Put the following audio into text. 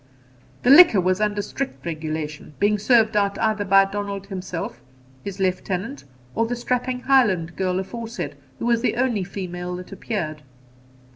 The liquor was under strict regulation, being served out either by Donald himself, his lieutenant, or the strapping Highland girl aforesaid, who was the only female that appeared.